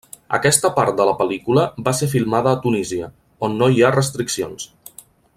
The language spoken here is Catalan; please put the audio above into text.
Aquesta part de la pel·lícula va ser filmada a Tunísia, on no hi ha restriccions.